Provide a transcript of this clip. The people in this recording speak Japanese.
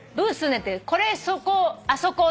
「ネ」ってこれそこあそこ。